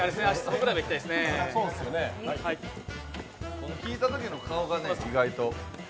この引いたときの顔がね。